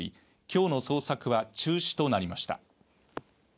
今日の捜索は中止となりました